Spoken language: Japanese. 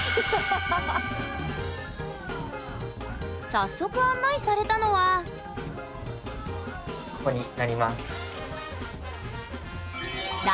早速案内されたのはここになります。